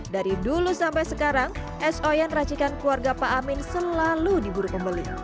dari dulu sampai sekarang es oyen racikan keluarga pak amin selalu diburu pembeli